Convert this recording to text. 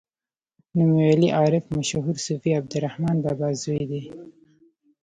نومیالی عارف مشهور صوفي عبدالرحمان بابا زوی دی.